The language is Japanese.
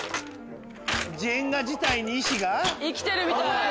ジェンガ自体に意思が？生きてるみたい！